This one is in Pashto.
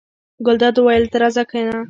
ګلداد وویل: ته راځه کېنه.